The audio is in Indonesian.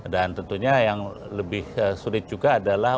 dan tentunya yang lebih sulit juga